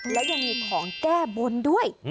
และยังมีของแก้บนด้วย